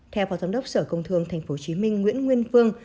theo phó thống đốc sở công tương tp hcm nguyễn nguyên phương